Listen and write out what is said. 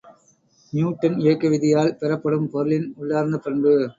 Newton இயக்க விதியால் பெறப்படும் பொருளின் உள்ளார்ந்த பண்பு.